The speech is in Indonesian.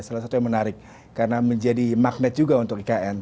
salah satu yang menarik karena menjadi magnet juga untuk ikn